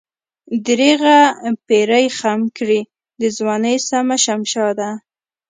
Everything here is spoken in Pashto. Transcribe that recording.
درېغه پيرۍ خم کړې دَځوانۍ سمه شمشاده